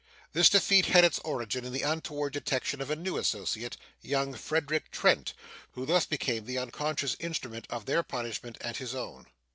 This defeat had its origin in the untoward detection of a new associate young Frederick Trent who thus became the unconscious instrument of their punishment and his own.